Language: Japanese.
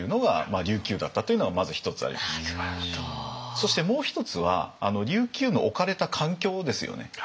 そしてもう一つは琉球の置かれた環境ですよね。